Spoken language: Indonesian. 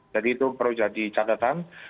jadi itu perlu jadi catatan